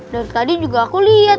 dari tadi juga aku lihat